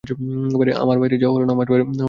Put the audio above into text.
আমার বাইরে যাওয়া হল না।